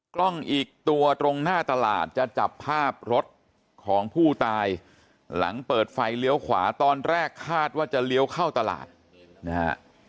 กล้องอีกตัวตรงหน้าตลาดจะจับภาพรถของผู้ตายหลังเปิดไฟเลี้ยวขวาตอนแรกคาดว่าจะเลี้ยวเข้าตลาดนะฮะ